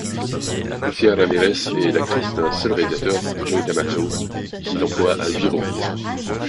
Lucía Ramírez est l'actrice d'un seul réalisateur, Joe D'Amato, qui l'emploie à huit reprises.